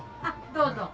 どうぞ。